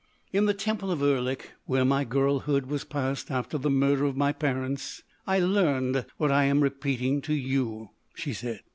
"In the temple of Erlik, where my girlhood was passed after the murder of my parents, I learned what I am repeating to you," she said.